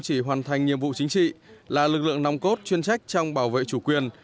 chỉ hoàn thành nhiệm vụ chính trị là lực lượng nòng cốt chuyên trách trong bảo vệ chủ quyền